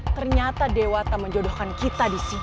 ternyata dewa tak menjodohkan kita di sini